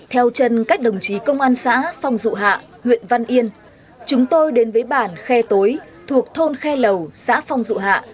theo chân các đồng chí công an xã phong dụ hạ huyện văn yên chúng tôi đến với bản khe tối thuộc thôn khe lầu xã phong dụ hạ